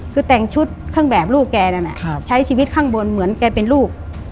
คือแต่งชุดเครื่องแบบลูกแกนั่นใช้ชีวิตข้างบนเหมือนแกเป็นลูก